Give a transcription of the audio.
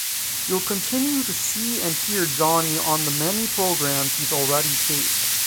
You'll continue to see and hear Johnny on the many programs he's already taped.